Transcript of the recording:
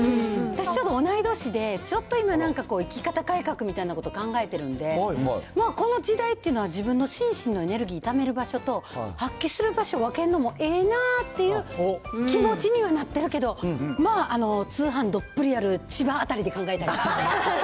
私、ちょっと同じ年で、ちょっと今、なんかこう生き方改革みたいなこと考えてるんで、この時代っていうのは、自分の心身のエネルギーためる場所と、発揮する場所を分けるのもええなぁっていう気持ちにはなってるけど、まあ、通販どっぷりした千葉辺りで考えたいですね。